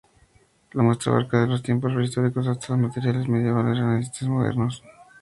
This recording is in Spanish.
La muestra abarca desde los tiempos prehistóricos hasta materiales medievales, renacentistas y modernos.